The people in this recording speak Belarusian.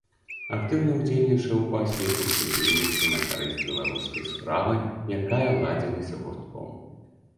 Актыўна ўдзельнічаў у асветніцкай дзейнасці на карысць беларускай справы, якая ладзілася гуртком.